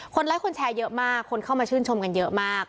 ไลค์คนแชร์เยอะมากคนเข้ามาชื่นชมกันเยอะมาก